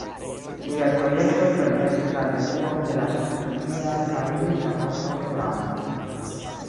Liaj projektoj permesis la realigon de la sovetunia kaj rusa kosmaj programoj.